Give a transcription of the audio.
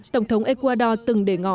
tổng thống ecuador từng để ngỏ